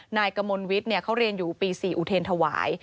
นายกมลวิทย์เขาเรียนอยู่ปี๔อุเทรนธวาย